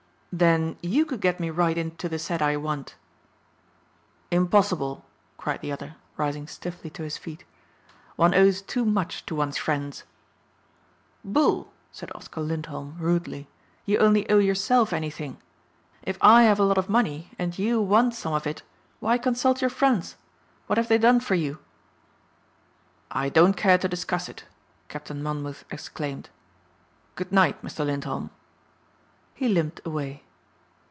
"Then you could get me right in to the set I want?" "Impossible," cried the other, rising stiffly to his feet. "One owes too much to one's friends." "Bull!" said Oscar Lindholm rudely. "You only owe yourself anything. If I have a lot of money and you want some of it why consult your friends? What have they done for you?" "I don't care to discuss it," Captain Monmouth exclaimed. "Good night, Mr. Lindholm." He limped away.